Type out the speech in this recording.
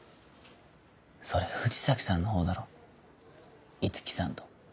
それ藤崎さんの方だろ五木さんと。